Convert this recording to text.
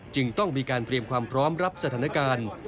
จึงต้องมีการเตรียมความพร้อมรับสถานการณ์